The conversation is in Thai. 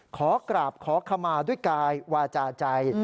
ขอกราบขอขมาด้วยกายวาจาใจ